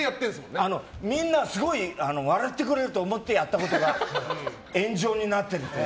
みんなすごい笑ってくれると思ってやったことが炎上になってるという。